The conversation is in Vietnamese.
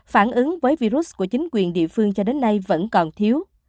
phản ứng với virus của chính quyền địa phương cho đến nay vẫn còn thiếu